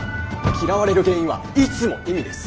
嫌われる原因はいつも意味です。